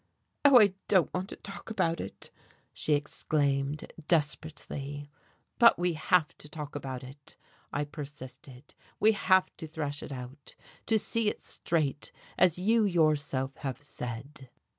"Oh, I don't want to talk about it," she exclaimed, desperately. "But we have to talk about it," I persisted. "We have to thrash it out, to see it straight, as you yourself have said."